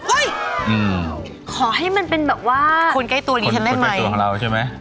อุ๊ยขอให้มันเป็นแบบว่าคนใกล้ตัวเราใช่ไหม